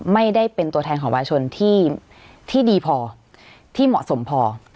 ไม่ได้เป็นตัวแทนของวาชนที่ดีพอที่เหมาะสมพอ